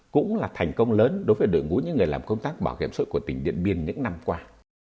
cũng là thành công lớn đối với đội ngũ những người làm công tác bảo hiểm xã hội của tỉnh điện biên những năm qua